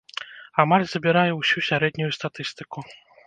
Амаль забірае ўсю сярэднюю статыстыку.